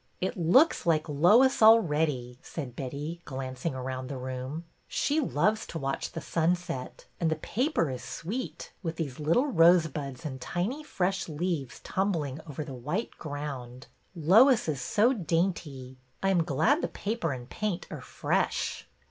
It looks like Lois already," said Betty, glanc ing around the room. " She loves to watch the sunset, and the paper is sweet, with these little rosebuds and tiny fresh leaves tumbling over the white ground. Lois is so dainty. I am glad the paper and paint are fresh."